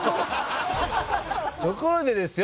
ところでですよ